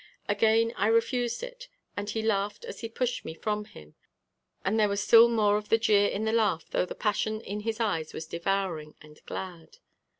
Again I refused it and he laughed as he pushed me from him and there was still more of the jeer in the laugh though the passion in his eyes was devouring and glad.